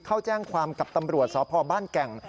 เข้าแจ้งความกับตำรวจสพบ้านแก่ง